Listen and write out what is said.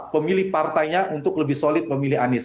pemilih partainya untuk lebih solid memilih anies